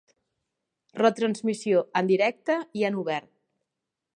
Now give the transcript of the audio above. Retransmissió en directe i en obert.